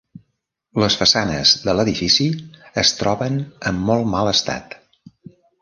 Les façanes de l'edifici es troben en molt mal estat.